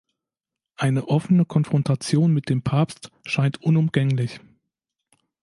Eine offene Konfrontation mit dem Papst scheint unumgänglich.